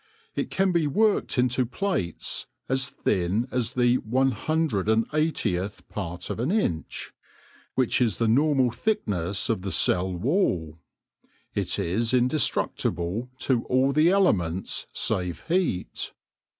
It can be worked into plates as thin as the T i<rth part of an inch, which is the normal thickness of the cell wall. It is indestructible to all the elements save heat.